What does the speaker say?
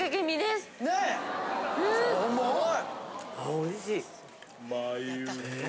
おいしい。